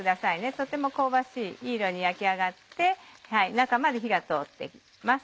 とても香ばしいいい色に焼き上がって中まで火が通っています。